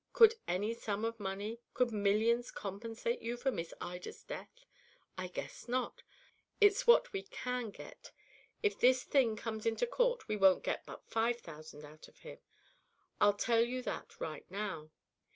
Could any sum of money, could millions compensate you for Miss Ida's death? I guess not. It's what we can get. If this thing comes into court we won't get but five thousand out of him; I'll tell you that right now.